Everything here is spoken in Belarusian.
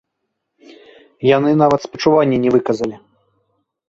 Яны нават спачуванні не выказалі!